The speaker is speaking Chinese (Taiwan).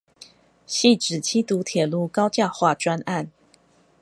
汐止七堵鐵路高架化專案